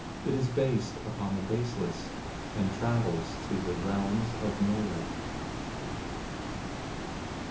It is based upon the baseless, and travels through the realms of Nowhere.